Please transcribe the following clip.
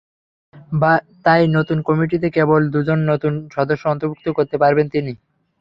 তাই নতুন কমিটিতে কেবল দুজন নতুন সদস্য অন্তর্ভুক্ত করতে পারবেন তিনি।